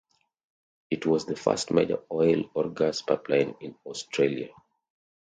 It was the first major oil or gas pipeline in Australia.